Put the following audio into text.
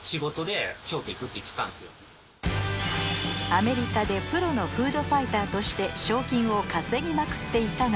アメリカでプロのフードファイターとして賞金を稼ぎまくっていたが